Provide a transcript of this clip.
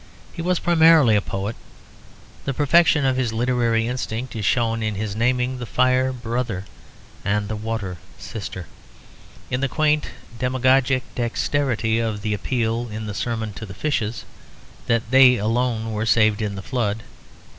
He was primarily a poet. The perfection of his literary instinct is shown in his naming the fire "brother," and the water "sister," in the quaint demagogic dexterity of the appeal in the sermon to the fishes "that they alone were saved in the Flood."